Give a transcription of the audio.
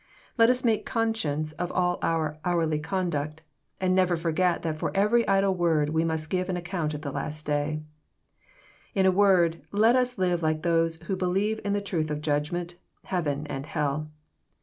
Let us make conscience of all our hourly conduct, and never foi^et that for every idle word we must give account at the last day. In a word, let us live like those who believe in the truth of judgment, heaven, and hell.